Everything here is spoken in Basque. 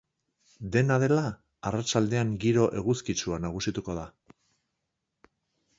Dena dela, arratsaldean giro eguzkitsua nagusituko da.